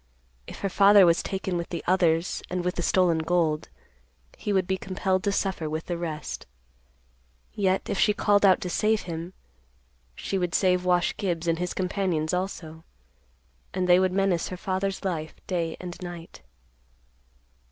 If her father was taken with the others and with the stolen gold, he would be compelled to suffer with the rest. Yet if she called out to save him, she would save Wash Gibbs and his companions also, and they would menace her father's life day and night.